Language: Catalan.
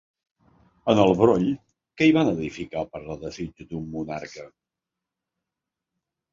En el broll, què hi van edificar per desig d'un monarca?